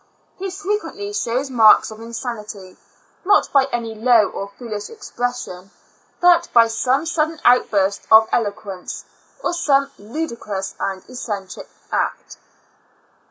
He frequently shows marks of insanity, not by IN A L UNA TIC ASTL U3L Q J any low or foolish expression, but bj some sudden outburst of eloquence, or some ludicrous and eccentric act.